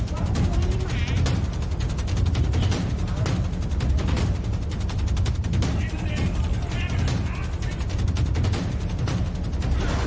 มันไม่ได้มันไม่ได้มันไม่ได้